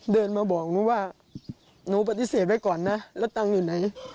เดินมาบอกหนูว่าหนูปฏิเสธไว้ก่อนนะแล้วตังค์อยู่ไหน